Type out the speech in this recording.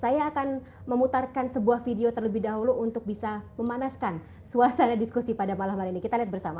saya akan memutarkan sebuah video terlebih dahulu untuk bisa memanaskan suasana diskusi pada malam hari ini kita lihat bersama